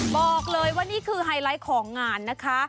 บอกเลยว่านี่คือไฮไลท์ของงานนะคะ